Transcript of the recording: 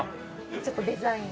ちょっとデザイン。